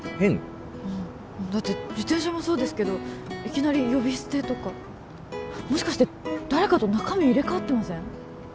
うんだって自転車もそうですけどいきなり呼び捨てとかもしかして誰かと中身入れ替わってません？